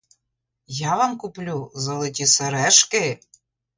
Я вам куплю золоті сережки!